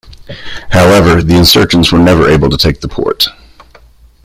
However, the insurgents were never able to take the port.